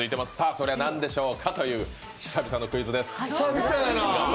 それは何でしょうかという、久々のクイズです。